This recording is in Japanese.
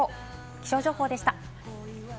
気象情報でした。